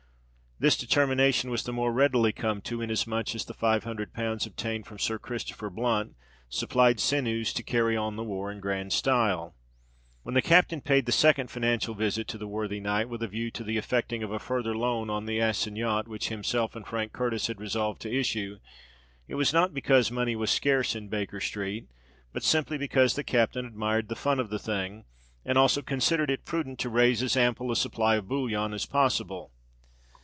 This determination was the more readily come to, inasmuch as the five hundred pounds obtained from Sir Christopher Blunt, supplied sinews to carry on the war in grand style. When the captain paid the second financial visit to the worthy knight with a view to the effecting of a further loan on the assignat which himself and Frank Curtis had resolved to issue, it was not because money was scarce in Baker Street; but simply because the captain admired "the fun of the thing," and also considered it prudent to raise as ample a supply of bullion as possible.